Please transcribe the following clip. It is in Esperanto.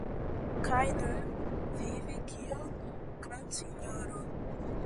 Kaj nun, vivi kiel grandsinjoro!